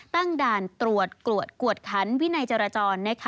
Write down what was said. ตั้งด่านตรวจกวดขันวินัยจราจร